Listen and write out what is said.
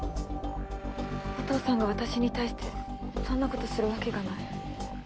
お父さんが私に対してそんなことするわけがない。